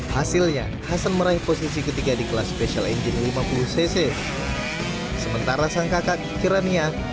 hasilnya hasan meraih posisi ketiga di kelas special engine lima puluh cc sementara sang kakak kirania